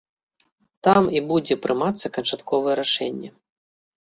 Там і будзе прымацца канчатковае рашэнне.